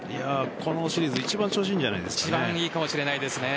このシリーズ一番調子いいんじゃないですかね。